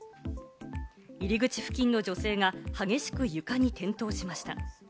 入り口付近の女性が激しく床に転倒しました。